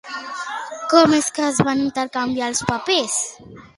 Com és que es van intercanviar els papers?